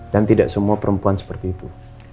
dan tidak semua perempuan seperti itu